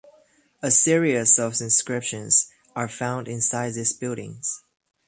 A series of inscriptions are found inside these buildings.